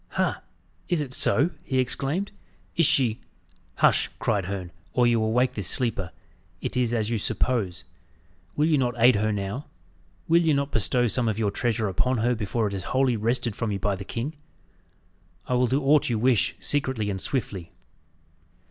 "Ha! is it so?" he exclaimed. "Is she " "Hush!" cried Herne, "or you will wake this sleeper. It is as you suppose. Will you not aid her now? Will you not bestow some of your treasure upon her before it is wholly wrested from you by the king? I will do aught you wish, secretly and swiftly."